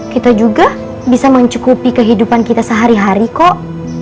kita juga bisa mencukupi kehidupan kita sehari hari kok